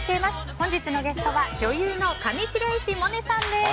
本日のゲストは女優の上白石萌音さんです。